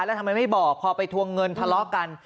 แล้วทำไมไม่บอกพอไปทวงเงินทะเลาะกัน